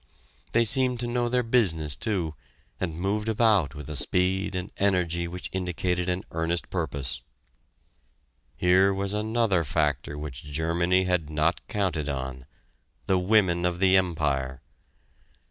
They seemed to know their business, too, and moved about with a speed and energy which indicated an earnest purpose. Here was another factor which Germany had not counted on the women of the Empire!